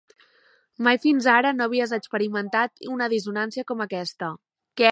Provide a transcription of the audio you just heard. Mai fins ara no havies experimentat una dissonància com aquesta.